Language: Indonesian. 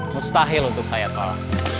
mustahil untuk saya tuala